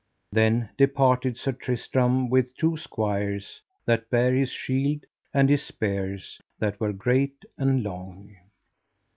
Then departed Sir Tristram with two squires that bare his shield and his spears that were great and long.